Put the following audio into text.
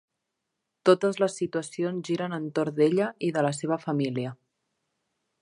Totes les situacions giren entorn d'ella i de la seva família.